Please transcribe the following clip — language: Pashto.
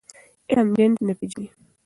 علم جنس نه پېژني.